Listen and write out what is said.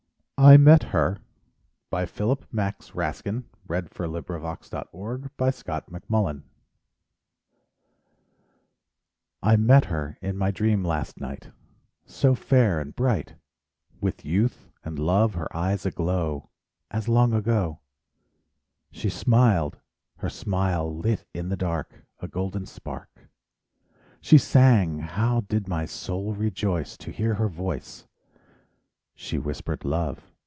I remembered my bride Who was long ago dead. [ 37 ] SONGS AND DREAMS I Met Her I met her in my dream last night, So fair and bright, With youth and love her eyes aglow, As long ago. She smiled—her smile lit in the dark A golden spark; She sang—how did my soul rejoice To hear her voice! She whispered love.